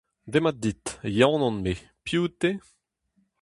Demat dit, Yann on me. Piv out-te ?